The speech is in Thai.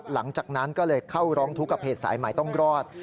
หลังจากนั้นก็เลยเข้าร้องทุกข์กับเพจสายใหม่ต้องรอด